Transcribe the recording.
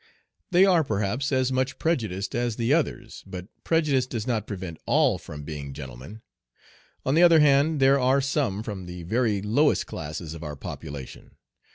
They are perhaps as much prejudiced as the others, but prejudice does not prevent all from being gentlemen. On the other hand, there are some from the very lowest classes of our population.